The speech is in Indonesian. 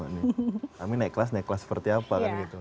kami naik kelas naik kelas seperti apa